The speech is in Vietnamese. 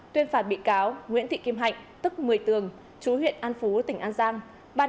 tuyên phạt bị cáo nguyễn thị kim hạnh tức một mươi tường chú huyện an phú tỉnh an giang